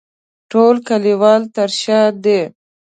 ټول کلیوال تر شا دي.